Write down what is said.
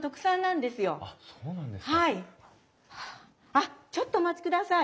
あっちょっとお待ちください。